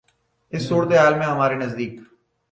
اس صورتِ حال میں ہمارے نزدیک